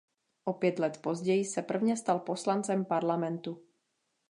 O pět let později se prvně stal poslancem parlamentu.